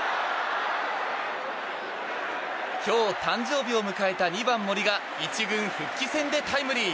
今日誕生日を迎えた２番、森が１軍復帰戦でタイムリー。